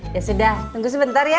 ya sudah tunggu sebentar ya